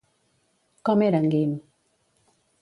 Com era en Guim?